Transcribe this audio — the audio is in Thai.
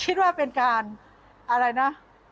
คิดว่าเป็นการอะไรนะ